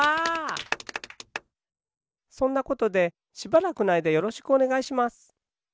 そんなことでしばらくのあいだよろしくおねがいします。